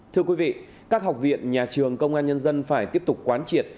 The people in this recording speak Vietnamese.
thưa quý vị các học viện nhà trường công an nhân dân phải tiếp tục quán triệt